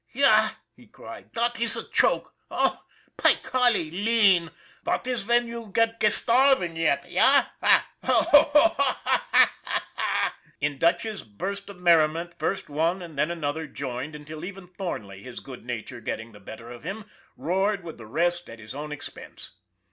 "Yah!" he cried. "Dot iss a joke. Oh, py golly, lean! Dot iss ven you ge starving get, yah? Ho, ho ! Ha, ha !" In Dutch's burst of merriment first one and then another joined, until even Thornley, his good nature getting the better of him, roared with the rest at his own expense.